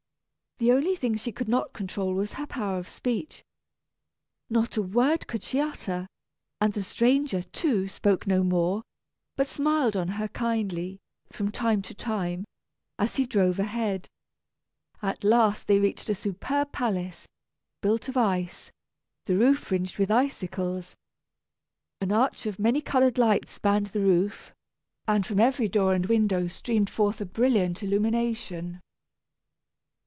The only thing she could not control was her power of speech. Not a word could she utter, and the stranger, too, spoke no more, but smiled on her kindly, from time to time, as he drove ahead. At last they reached a superb palace, built of ice, the roof fringed with icicles. An arch of many colored lights spanned the roof, and from every door and window streamed forth a brilliant illumination.